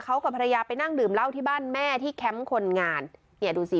เขากับภรรยาไปนั่งดื่มเหล้าที่บ้านแม่ที่แคมป์คนงานเนี่ยดูสิ